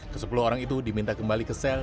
ke sepuluh orang itu diminta kembali ke sel